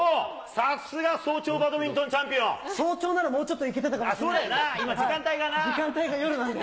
さすが早朝バドミントンチャ早朝ならもうちょっといけてそうだよな、今、時間帯がね。